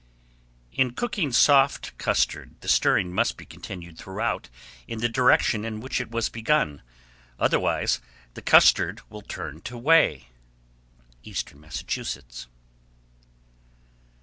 _ 1145. In cooking soft custard, the stirring must be continued throughout in the direction in which it was begun; otherwise the custard will turn to whey. _Eastern Massachusetts.